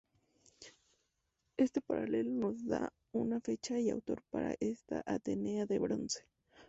Este paralelo nos da una fecha y autor para esta Atenea de bronce.